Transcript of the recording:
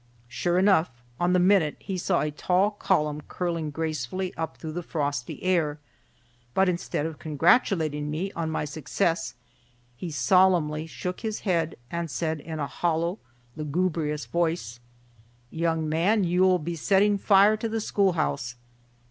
Sure enough, on the minute, he saw a tall column curling gracefully up through the frosty air, but instead of congratulating me on my success he solemnly shook his head and said in a hollow, lugubrious voice, "Young man, you will be setting fire to the schoolhouse."